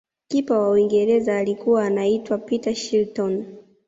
kipa wa uingereza alikuwa anaitwa peter shilton